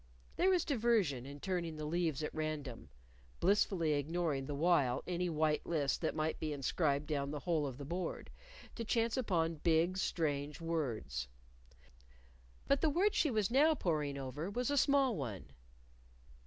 _ There was diversion in turning the leaves at random (blissfully ignoring the while any white list that might be inscribed down the whole of the board) to chance upon big, strange words. But the word she was now poring over was a small one.